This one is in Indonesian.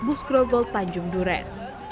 bus krogol tanjung durek